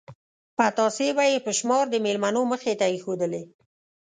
پتاسې به یې په شمار د مېلمنو مخې ته ایښودلې.